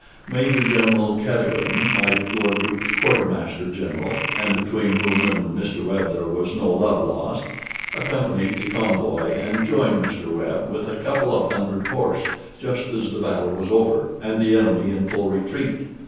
Major General Cadogan, my Lord Duke's Quarter Master General, (and between whom and Mr. Webb there was no love lost), accompanied the convoy, and joined Mr. Webb with a couple of hundred horse just as the battle was over, and the enemy in full retreat.